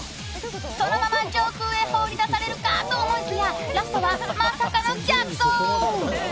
そのまま上空へ放り出されるかと思いきやラストは、まさかの逆走！